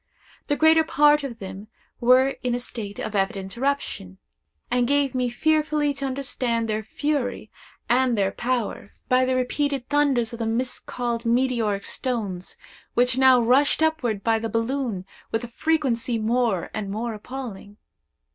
The greater part of them were in a state of evident eruption, and gave me fearfully to understand their fury and their power, by the repeated thunders of the miscalled meteoric stones, which now rushed upward by the balloon with a frequency more and more appalling.